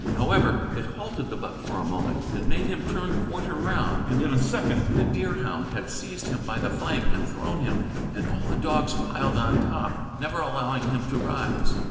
However, it halted the buck for a moment, and made him turn quarter round, and in a second the deerhound had seized him by the flank and thrown him, and all the dogs piled on top, never allowing him to rise.